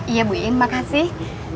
iya bu iin makasih